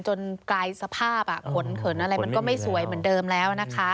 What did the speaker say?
จนกลายสภาพขนอะไรอะไรมันก็ไม่สวยเหมือนเดิมแล้ว